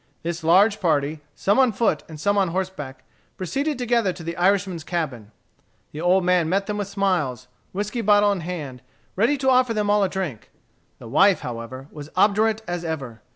This large party, some on foot and some on horseback, proceeded together to the Irishman's cabin. The old man met them with smiles, whiskey bottle in hand, ready to offer them all a drink. The wife, however, was obdurate as ever.